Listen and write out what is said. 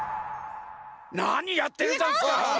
なにやってるざんすか！